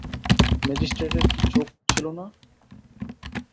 ম্যাজিস্ট্রেটের কি চোখ ছিল না?